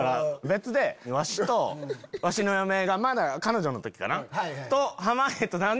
別でわしとわしの嫁がまだ彼女の時かな。